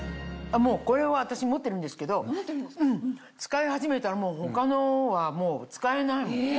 これは私持ってるんですけど使い始めたら他のはもう使えないもん。